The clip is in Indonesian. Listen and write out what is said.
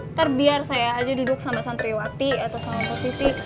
ntar biar saya aja duduk sama santriwati atau sama positif